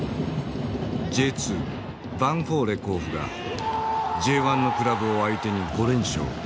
Ｊ２ヴァンフォーレ甲府がＪ１のクラブを相手に５連勝。